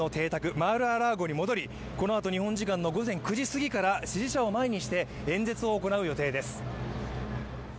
マール・ア・ラーゴに戻り、このあと日本時間の午前９時すぎから、支持者を前にして演説を行う予定です。